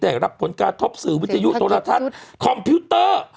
ได้รับผลกระทบสื่อวิทยุโทรทัศน์คอมพิวเตอร์